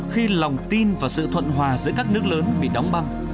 khi lòng tin và sự thuận hòa giữa các nước lớn bị đóng băng